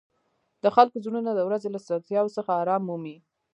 د خلکو زړونه د ورځې له ستړیاوو څخه آرام مومي.